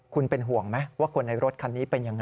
คุณเป็นห่วงไหมว่าคนในรถคันนี้เป็นยังไง